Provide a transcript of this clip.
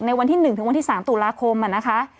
วันที่๑ถึงวันที่๓ตุลาคมนะคะ